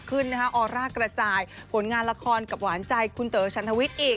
ออร่ากระจายผลงานละครกับหวานใจคุณเต๋อชันทวิทย์อีก